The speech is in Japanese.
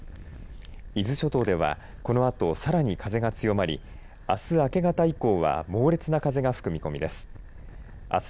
伊豆諸島ではこのあと、さらに風が強まりあす明け方以降は猛烈な風が吹く見込みです。